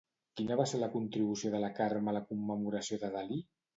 Quina va ser la contribució de la Carme a la commemoració de Dalí?